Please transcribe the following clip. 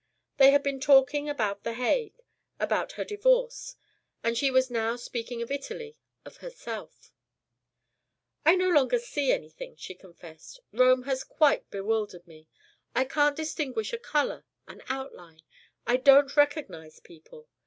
They had been talking about the Hague, about her divorce; and she was now speaking of Italy, of herself: "I no longer see anything," she confessed. "Rome has quite bewildered me. I can't distinguish a colour, an outline. I don't recognize people.